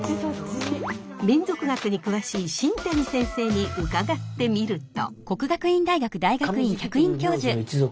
民俗学に詳しい新谷先生に伺ってみると。